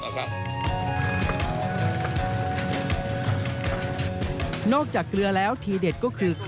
แล้วก็อันนี้เฟ็ดใต้อันนี้เฟ็ดกรุงเทพฯค่ะ